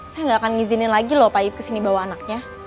saya nggak akan ngizinin lagi loh pak ib kesini bawa anaknya